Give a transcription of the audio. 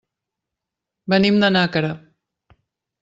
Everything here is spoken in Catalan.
Venim de Nàquera.